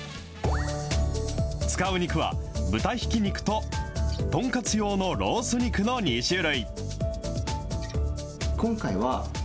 使う肉は豚ひき肉と、豚カツ用のロース肉の２種類。